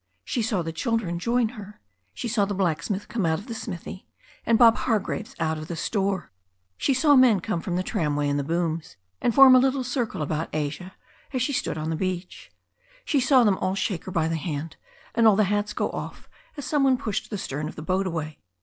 She saw the children join her. She saw the blacksmith come out of the smithy, and Bob Hargraves out of the store. She saw men come from the tramway and the booms, and form a little circle about Asia as she stood on the beach. She saw them all shake her by the hand, and all the hats go off as some one pushed the stern of the boat away.